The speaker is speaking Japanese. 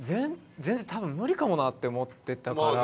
多分無理かもなって思ってたから。